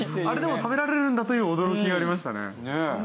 あれでも食べられるんだという驚きがありましたね。